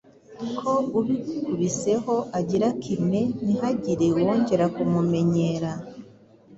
ko ubikubiseho agira kime ntihagire uwongera kumumenyera.